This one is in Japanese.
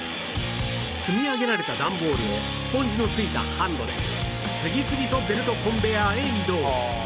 積み上げられた段ボールをスポンジの付いたハンドで次々とベルトコンベヤーへ移動